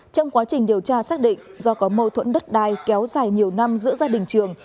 trong quá trình điều tra xác định do có mâu thuẫn đất đai kéo dài nhiều năm giữa gia đình trường